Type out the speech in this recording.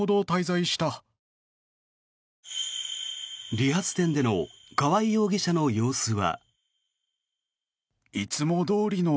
理髪店での川合容疑者の様子は。